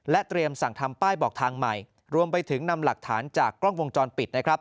เตรียมสั่งทำป้ายบอกทางใหม่รวมไปถึงนำหลักฐานจากกล้องวงจรปิดนะครับ